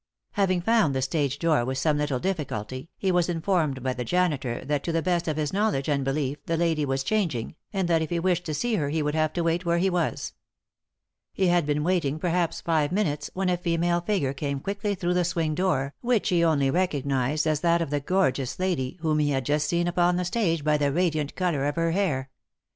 Having found the stage door with some little difficulty, he was informed by the janitor that to the best of his knowledge and belief the lady was "chang ing," and that if he wished to see her he would have to wait where he was. He had been waiting perhaps five minutes when a female figure came quickly through the swing door, which he only recognised as that of the gorgeous lady whom he had just seen upon the stage by the radiant colour of her hair.